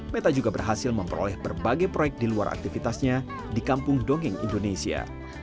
meta juga berhasil memperoleh berbagai proyek di luar aktivitasnya di kampung dongeng indonesia